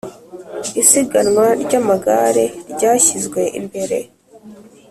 Isiganwa ry’amagare ryashyizwe imbere